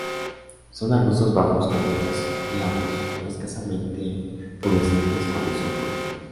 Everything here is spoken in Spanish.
Son arbustos bajos; con brotes glabros o escasamente pubescentes cuando son jóvenes.